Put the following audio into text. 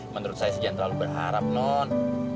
menurut saya sih jangan terlalu berharap non